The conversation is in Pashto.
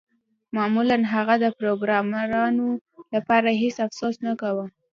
معمولاً هغه د پروګرامرانو لپاره هیڅ افسوس نه کاوه